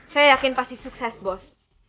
saya yakin pasti sukses bos bos